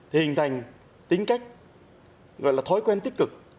thì hình thành tính cách gọi là thói quen tích cực